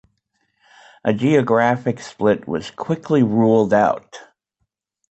A geographic split was quickly ruled out.